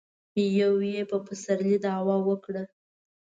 يو يې په پسرلي کې دعوه وکړه.